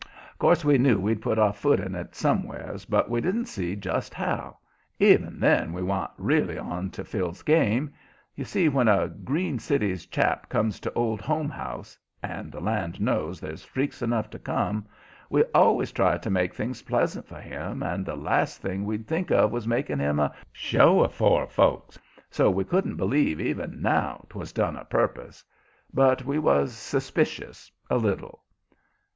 'Course we knew we'd put our foot in it somewheres, but we didn't see just how. Even then we wa'n't really onto Phil's game. You see, when a green city chap comes to the Old Home House and the land knows there's freaks enough do come we always try to make things pleasant for him, and the last thing we'd think of was making him a show afore folks. So we couldn't b'lieve even now 'twas done a purpose. But we was suspicious, a little.